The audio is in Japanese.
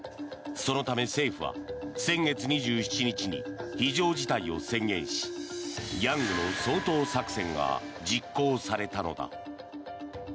そのため政府は先月２７日に非常事態を宣言しギャングの掃討作戦が実行されたのだ。